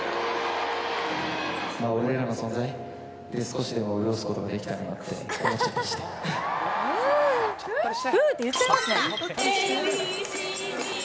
まあ、俺らの存在で少しでも潤すことができたらなって思っちゃったりしふーって言っちゃいますね。